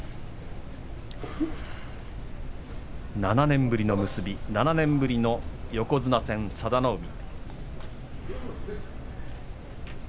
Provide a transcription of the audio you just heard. ７年ぶりの結び７年ぶりの横綱戦佐田の海。